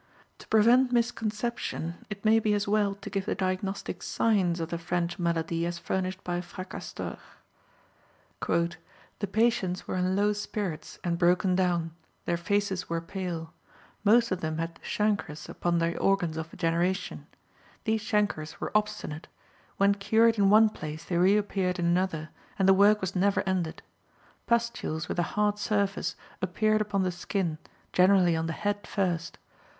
To prevent misconception, it may be as well to give the diagnostic signs of the "French malady" as furnished by Fracastor: "The patients were in low spirits, and broken down; their faces were pale. Most of them had chancres upon the organs of generation. These chancres were obstinate; when cured in one place they reappeared in another, and the work was never ended. Pustules with a hard surface appeared upon the skin, generally on the head first.